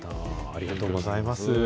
ありがとうございます。